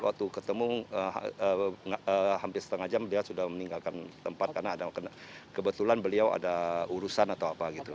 waktu ketemu hampir setengah jam dia sudah meninggalkan tempat karena kebetulan beliau ada urusan atau apa gitu